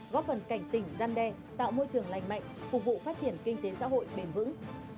góp phần cảnh tỉnh gian đe tạo môi trường lành mạnh phục vụ phát triển kinh tế xã hội bền vững